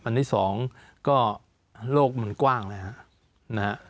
อันที่สองก็โลกมันกว้างนะครับ